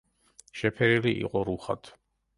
შეფერილი იყო რუხად.